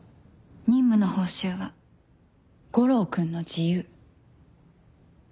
任務の報酬は悟郎君の自由